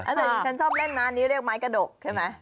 แต่ดิฉันชอบเล่นนะอันนี้เรียกไม้กระดกใช่ไหม